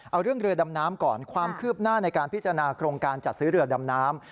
เอาเรื่องเรือดำน้ำก่อนความคืบหน้าในการพิจารณาโครงการจัดซื้อเรือดำน้ำ